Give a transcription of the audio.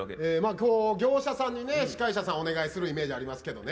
きょう、業者さんに司会者さんお願いするイメージありますけどね。